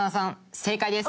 正解です！